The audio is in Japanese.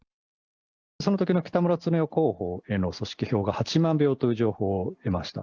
そのときの北村経夫候補への組織票が８万票という情報を得ました。